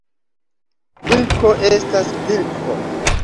Pilko estas pilko.